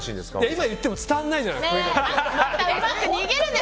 今言っても伝わらないじゃない。